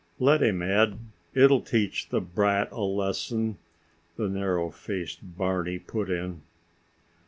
"Let him, Ed. It'll teach the brat a lesson," the narrow faced Barney put in.